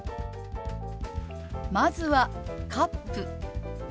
まずは「カップ」。